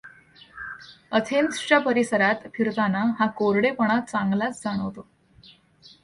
अथेन्सच्या परिसरात फिरताना हा कोरडेपणा चांगलाच जाणवतो.